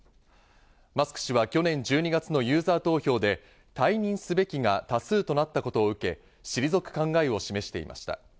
マスク氏は去年１２月のユーザー投票で退任すべきが多数となったことを受け、退く考えを示していました。